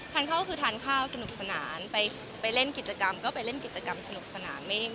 ทานข้าวก็คือทานข้าวสนุกสนานไปเล่นกิจกรรมก็ไปเล่นกิจกรรมสนุกสนาน